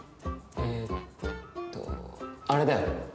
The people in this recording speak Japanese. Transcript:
えっとあれだよ。